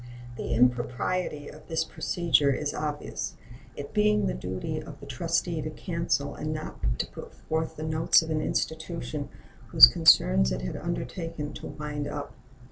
The impropriety of this procedure is obvious, it being the duty of the trustee to cancel and not to put forth the notes of an institution whose concerns it had undertaken to wind up.